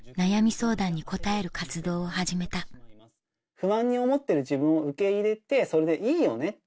相談に答える活動を始めた不安に思ってる自分を受け入れてそれでいいよねって。